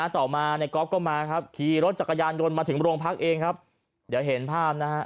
ต่อมาในก๊อฟก็มาครับขี่รถจักรยานยนต์มาถึงโรงพักเองครับเดี๋ยวเห็นภาพนะฮะ